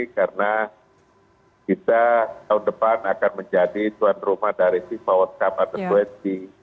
karena kita tahun depan akan menjadi tuan rumah dari timah wadkap atau bosg